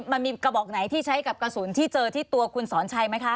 มันมีกระบอกไหนที่ใช้กับกระสุนที่เจอที่ตัวคุณสอนชัยไหมคะ